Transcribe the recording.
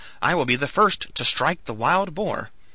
I will be the first to strike the wild boar."